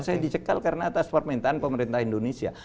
saya dicekal karena atas permintaan pemerintah indonesia